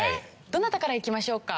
どなたからいきましょうか？